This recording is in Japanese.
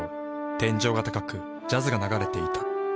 天井が高くジャズが流れていた。